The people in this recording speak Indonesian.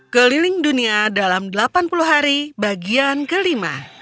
keliling dunia dalam delapan puluh hari bagian kelima